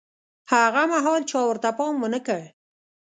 هاغه مهال چا ورته پام ونه کړ.